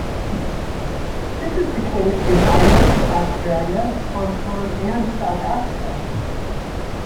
This is the case in Ireland, Australia, Hong Kong and South Africa.